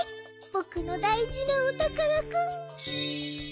ぼくのだいじなおたからくん。